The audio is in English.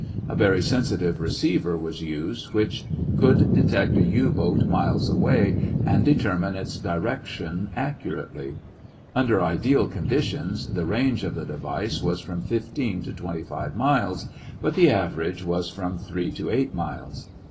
A very sensitive receiver was used which could detect a U boat miles away and determine its direction accurately. Under ideal conditions the range of the device was from fifteen to twenty five miles, but the average was from three to eight miles.